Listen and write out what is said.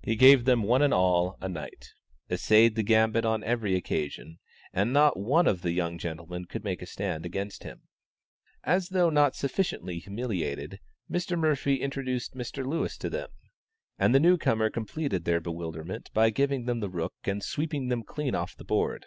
He gave them one and all a Knight, essayed the Gambit on every occasion, and not one of the young gentlemen could make a stand against him. As though not sufficiently humiliated, Mr. Murphy introduced Mr. Lewis to them, and the new comer completed their bewilderment by giving them the Rook and sweeping them clean off the board.